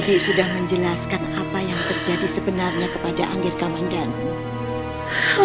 tapi ibu sudah menjelaskan apa yang terjadi sebenarnya kepada anggir kamandano